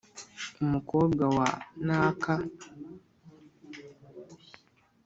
umukobwa wa naka,